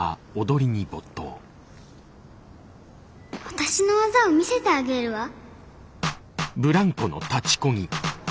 私の技を見せてあげるわ。